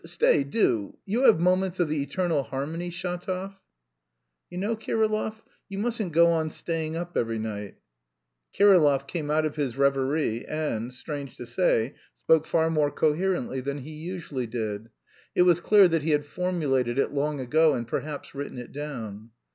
Stay, do you have moments of the eternal harmony, Shatov?" "You know, Kirillov, you mustn't go on staying up every night." Kirillov came out of his reverie and, strange to say, spoke far more coherently than he usually did; it was clear that he had formulated it long ago and perhaps written it down.